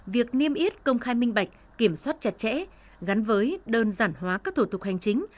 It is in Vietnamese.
việc niêm yết công khai minh bạch kiểm soát chặt chẽ gắn với đơn giản hóa các thủ tục hành chính